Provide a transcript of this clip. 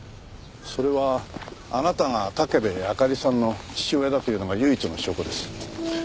それはあなたが武部あかりさんの父親だというのが唯一の証拠です。